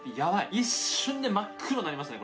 一瞬で真っ黒になりますね